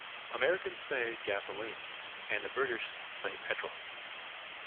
Americans say gasoline and the British say petrol.